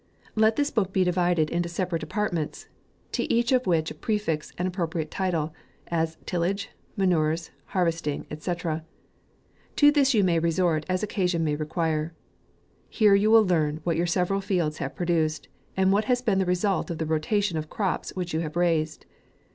Let this book be divided into sepa rate apartments, to each of which prefix an appropriate title, — as tillage, manures, har vesting, &c. To this you may resort as oc casion may require. Here you will learn what your several fields have produced, and what has been the result of the rotation of crops, which you have raised.